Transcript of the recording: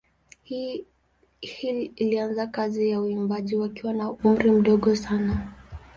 Hill alianza kazi za uimbaji wakiwa na umri mdogo sana.